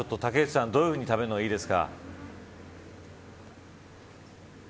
どういうふうに食べるのがいいですか。